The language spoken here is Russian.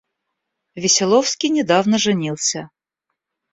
Веселовский недавно женился.